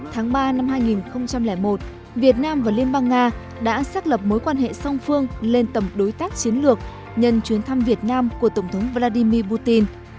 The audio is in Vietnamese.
tháng ba năm hai nghìn một việt nam và liên bang nga đã xác lập mối quan hệ song phương lên tầm đối tác chiến lược nhân chuyến thăm việt nam của tổng thống vladimir putin